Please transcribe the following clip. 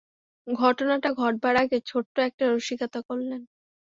ঘটনাটা ঘটাবার আগে ছোট্ট একটা রসিকতা করলেন।